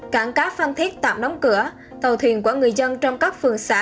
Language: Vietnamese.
cảng cá phan thiết tạm đóng cửa tàu thuyền của người dân trong các phường xã